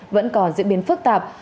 vẫn còn diễn biến phức tạp